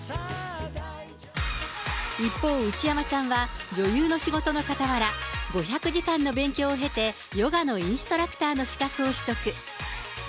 一方、内山さんは女優の仕事のかたわら、５００時間の勉強を経て、ヨガのインストラクターの資格を取得。